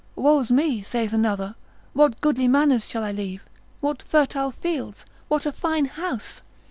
Woe's me, saith another, what goodly manors shall I leave! what fertile fields! what a fine house!